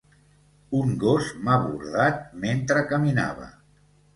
Un gos m'ha bordat mentre caminava